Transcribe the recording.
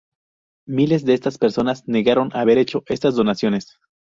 Miles de estas personas negaron haber hecho esas donaciones.